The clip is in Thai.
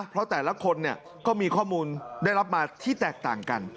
เพราะแต่ละคนก็มีข้อมูลได้รับมาที่แตกต่างกัน